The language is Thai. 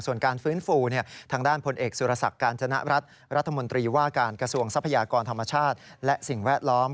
ส่วนการฟื้นฟูทางด้านพลเอกสุรศักดิ์การจนรัฐรัฐมนตรีว่าการกระทรวงทรัพยากรธรรมชาติและสิ่งแวดล้อม